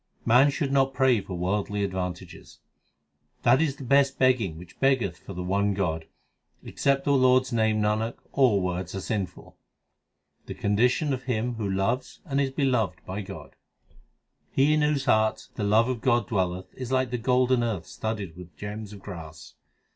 Man should not pray for worldly advantages : That is the best begging which beggeth for the one God ; Except the Lord s name, Nanak, all words are sinful. The condition of him who loves and is beloved by God : He in whose heart the love of God dwelleth is like the golden earth studded with gems of grass.